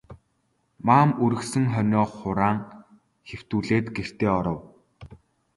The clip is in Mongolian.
Маам үргэсэн хонио хураан хэвтүүлээд гэртээ оров.